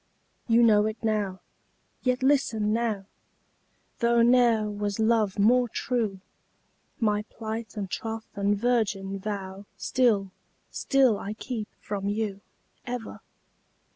You know it now yet listen now Though ne'er was love more true, My plight and troth and virgin vow Still, still I keep from you, Ever!